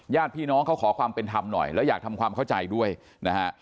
ญาติพี่น้องเขาขอความเป็นธรรมหน่อยแล้วอยากทำความเข้าใจด้วยนะฮะ